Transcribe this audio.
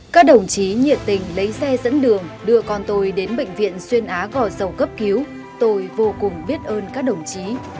các đồng chí nhiệt tình lấy xe dẫn đường đưa con tôi đến bệnh viện xuyên á gò dầu cấp cứu tôi vô cùng biết ơn các đồng chí